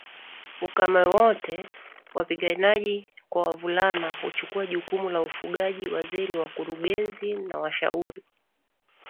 ukame wote wapiganaji kwa wavulana huchukua jukumu la ufugaji Wazee ni wakurugenzi na washauri